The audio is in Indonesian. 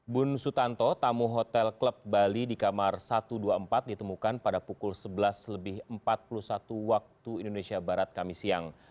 bun sutanto tamu hotel klub bali di kamar satu ratus dua puluh empat ditemukan pada pukul sebelas lebih empat puluh satu waktu indonesia barat kami siang